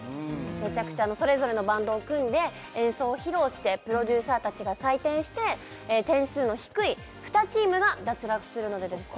めちゃくちゃあのそれぞれのバンドを組んで演奏を披露してプロデューサー達が採点して点数の低い２チームが脱落するのでですね